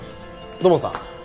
土門さん